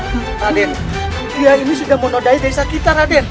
raden dia ini sudah monodai desa kita raden